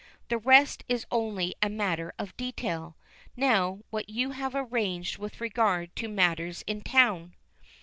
The rest is only a matter of detail. Now, what have you arranged with regard to matters in town?"